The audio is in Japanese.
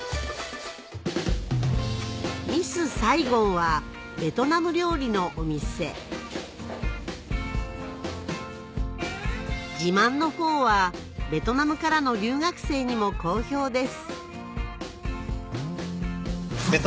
ミスサイゴンはベトナム料理のお店自慢のフォーはベトナムからの留学生にも好評です